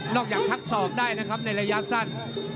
นอกอย่างชักสอบได้นะครับในระยะสั้น